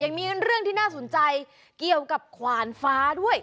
ยังมีเรื่องที่น่าสนใจเกี่ยวกับขวานฟ้าด้วย